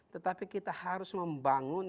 tetapi kita harus membangun